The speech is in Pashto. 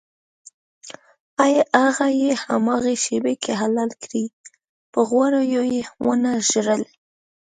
هغه یې هماغې شېبه کې حلال کړی و په غوړیو یې ونه ژړل.